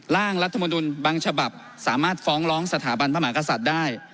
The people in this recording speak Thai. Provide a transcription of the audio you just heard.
ร่างรัฐมนุนบางฉบับสามารถฟ้องร้องสถาบันพระมหากษัตริย์ได้